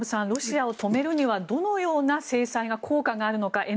ロシアを止めるにはどのような制裁が効果があるのか。